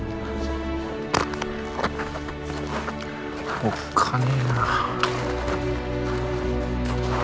おっかねえな。